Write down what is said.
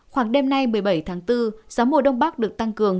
khoảng đêm nay một mươi bảy tháng bốn gió mùa đông bắc được tăng cường